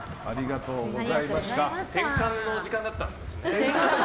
転換の時間だったんですね。